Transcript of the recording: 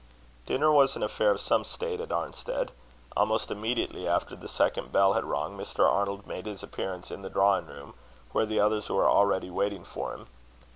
Dinner was an affair of some state at Arnstead. Almost immediately after the second bell had rung, Mr. Arnold made his appearance in the drawing room, where the others were already waiting for him.